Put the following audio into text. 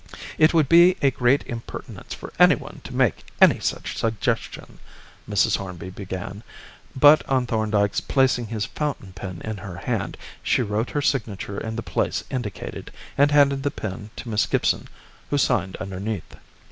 "It would be a great impertinence for anyone to make any such suggestion," Mrs. Hornby began; but on Thorndyke's placing his fountain pen in her hand, she wrote her signature in the place indicated and handed the pen to Miss Gibson, who signed underneath.